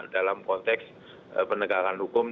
dalam konteks penegakan hukum